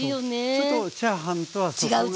ちょっとチャーハンとはそこが違う。